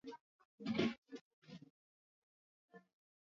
Waambie Mungu ni baba wa mayatima.